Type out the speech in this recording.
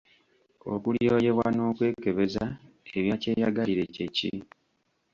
Okulyoyebwa n’okwekebeza ebya kyeyagalire kye ki?